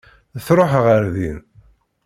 Tṛuḥ ɣer din.